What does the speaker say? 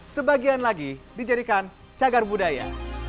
sebagian lagi dijadikan cagar budaya